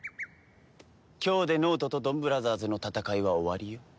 今日で脳人とドンブラザーズの戦いは終わりよ。